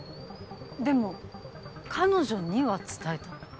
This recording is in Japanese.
でも彼女には伝えた。